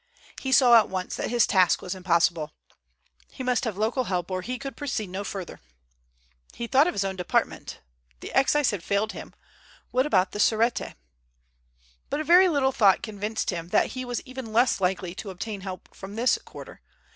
He saw at once that his task was impossible. He must have local help or he could proceed no further. He thought of his own department. The Excise had failed him. What about the Sûreté? But a very little thought convinced him that he was even less likely to obtain help from this quarter.